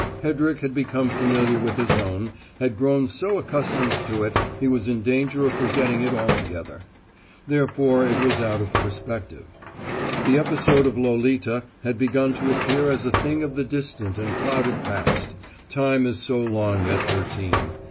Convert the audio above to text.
Hedrick had become familiar with his own, had grown so accustomed to it he was in danger of forgetting it altogether; therefore it was out of perspective. The episode of Lolita had begun to appear as a thing of the distant and clouded past: time is so long at thirteen.